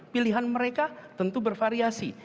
pilihan mereka tentu bervariasi